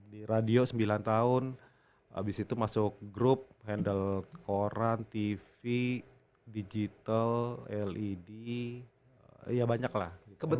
di radio sembilan tahun abis itu masuk grup handle koran tv digital led ya banyak lah